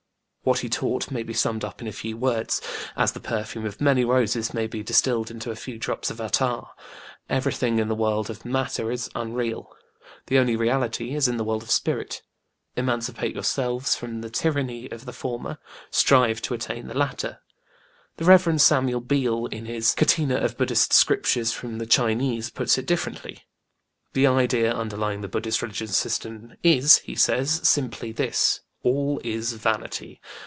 What he taught may be summed up in a few words, as the perfume of many roses may be distilled into a few drops of attar: Everything in the world of Matter is unreal; the only reality is in the world of Spirit. Emancipate yourselves from the tyranny of the former; strive to attain the latter. The Rev. Samuel Beal, in his Catena of BudĖĢdĖĢhist Scriptures from the Chinese puts it differently. "The idea underlying the Buddhist religious system is," he says, "simply this: 'all is vanity'.